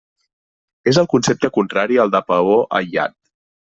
És el concepte contrari al de peó aïllat.